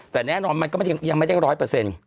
แต่แน่นอนมันก็ยังไม่ได้ร้อยเปอร์เซ็นต์